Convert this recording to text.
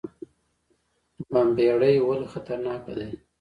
بمبړې ولې خطرناکه ده؟